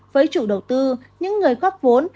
với chủ đầu tư những người góp vốn